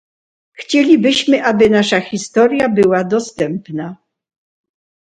Chcielibyśmy, aby nasza historia była dostępna